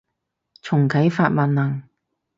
重啟法萬能